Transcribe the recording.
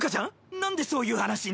なんでそういう話に？